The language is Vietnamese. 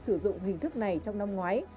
sử dụng hình thức này trong năm ngoái